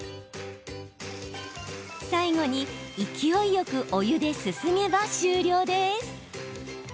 最後に、勢いよくお湯ですすげば終了です。